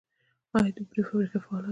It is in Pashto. آیا د بورې فابریکه فعاله ده؟